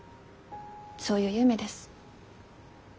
そういう夢です。